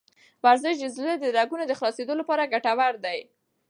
ورزش د زړه د رګونو د خلاصولو لپاره ګټور دی.